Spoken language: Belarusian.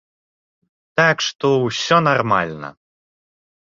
Так што, усё нармальна.